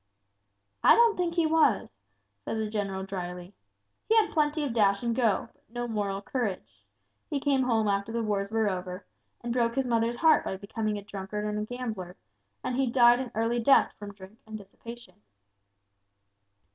"I don't think he was," said the general, drily. "He had plenty of dash and go, but no moral courage. He came home after the wars were over, and broke his mother's heart by becoming a drunkard and a gambler; and he died an early death from drink and dissipation."